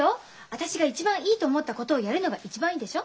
私が一番いいと思ったことをやるのが一番いいでしょ？